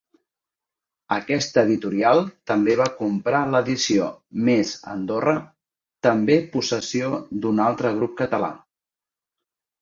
Aquesta editorial també va comprar l'edició Més Andorra, també possessió d'un altre grup català.